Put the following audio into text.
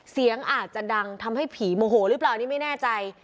เสียงอาจจะดังทำให้ผีโมโหหรือเปล่านี่ไม่แน่ใจ